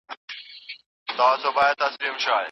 طبیعي سرچینې باید وساتل شي.